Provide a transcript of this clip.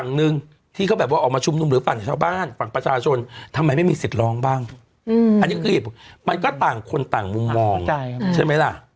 เพราะว่าคุณรู้จักร้องกับใครเขาบางทีร้องกันเงียบ